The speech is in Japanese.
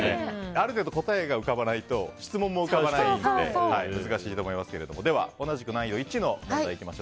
ある程度、答えが浮かばないと質問も浮かばないので難しいと思いますけど同じく難易度１の問題です。